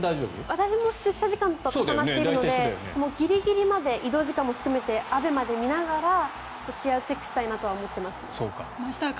私も出社時間と重なっているのでギリギリまで移動時間も含めてＡＢＥＭＡで見ながら試合をチェックしたいなとは思っています。